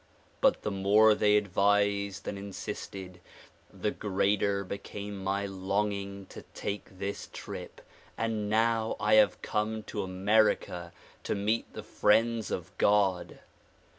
But the more they advised and insisted, the greater became my longing to take this trip and now I have come to America to meet the friends of God.